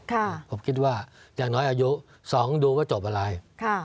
ค่ะผมคิดว่าอย่างน้อยอายุสองดูก็จบอะไรค่ะ